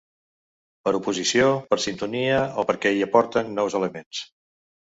Per oposició, per sintonia o perquè hi aporten nous elements.